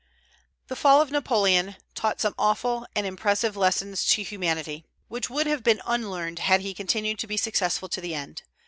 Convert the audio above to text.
The fall of Napoleon taught some awful and impressive lessons to humanity, which would have been unlearned had he continued to be successful to the end.